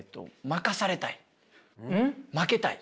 負けたい。